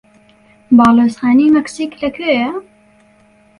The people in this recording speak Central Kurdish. باڵیۆزخانەی مەکسیک لەکوێیە؟